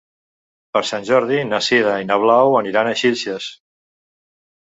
Per Sant Jordi na Sira i na Blau aniran a Xilxes.